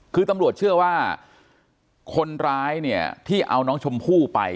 คือตำรวจเชื่อว่าคนร้ายเนี่ยที่เอาน้องชมพู่ไป